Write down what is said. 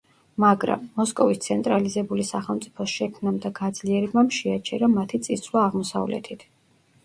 მაგრამ, მოსკოვის ცენტრალიზებული სახელმწიფოს შექმნამ და გაძლიერებამ შეაჩერა მათი წინსვლა აღმოსავლეთით.